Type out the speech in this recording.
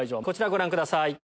こちらご覧ください。